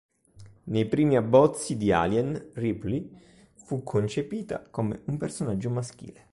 Nei primi abbozzi di "Alien", Ripley fu concepita come un personaggio maschile.